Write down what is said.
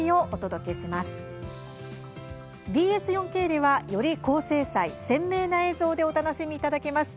ＢＳ４Ｋでは、より高精細鮮明な映像でお楽しみいただけます。